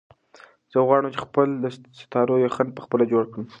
زه غواړم چې خپل د ستارو یخن په خپله جوړ کړم.